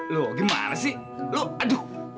loh gimana sih lo aduh